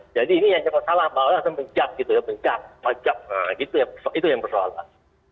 jadi ini yang salah maka orang menjab menjab pajab itu yang bersalah